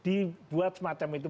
dibuat semacam itu